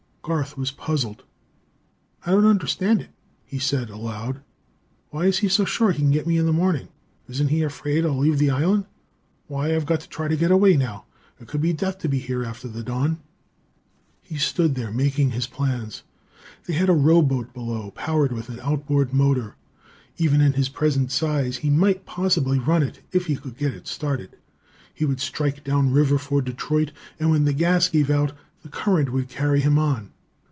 Garth was puzzled. "I don't understand it," he said aloud. "Why is he so sure he can get me in the morning? Isn't he afraid I'll leave the island? Why I've got to try to get away, now. It would be death to be here after the dawn!" He stood there making his plans. They had a rowboat below, powered with an outboard motor. Even in his present size, he might possibly run it, if he could get it started. He would strike down river for Detroit, and when the gas gave out, the current would carry him on.